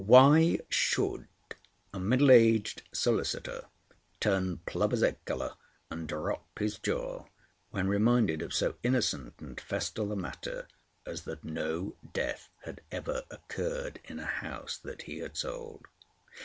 Why should a middle aged solicitor turn plovers' egg colour and drop his jaw when reminded of so innocent and festal a matter as that no death had ever occurred in a house that he had sold?